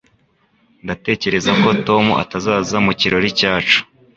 Ndatekereza ko Tom atazaza mu kirori cyacu